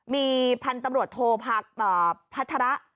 มีพันธุ์ตำรวจโทพัฒระ